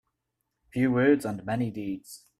Few words and many deeds.